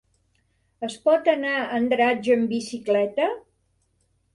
Es pot anar a Andratx amb bicicleta?